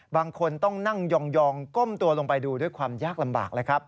บางคนต้องนั่งยองก้มตัวลงไปดูด้วยความยากลำบากเลยครับ